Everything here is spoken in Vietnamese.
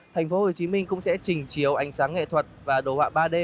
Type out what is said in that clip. thành phố hồ chí minh cũng sẽ trình chiếu ánh sáng nghệ thuật và đồ họa ba d